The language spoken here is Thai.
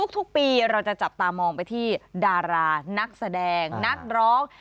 ทุกปีเราจะจับตามองไปที่ดารานักแสดงนักร้อง